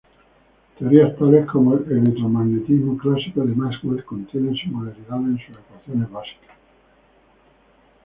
Teorías tales como el electromagnetismo clásico de Maxwell contienen singularidades en sus ecuaciones básicas.